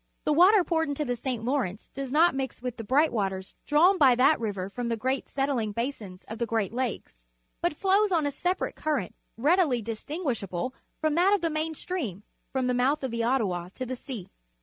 The water poured into the St. Lawrence does not mix with the bright waters drawn by that river from the great settling basins of the Great Lakes, but flows on in a sepa rate current readily distinguishable from that of the main stream, from the mouth of the Ottawa to the sea.